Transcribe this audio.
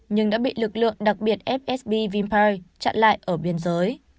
nhưng đã bị lực lượng đặc biệt fsb vinfi chặn lại ở biên giới